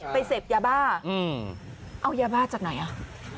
ไปเซฟแย่บอ้าเอายาบาดจากไหนหรอ